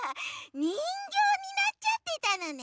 にんぎょうになっちゃってたのね。